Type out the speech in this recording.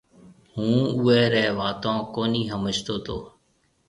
هُون اويري واتون ڪونَي سمجهتو تو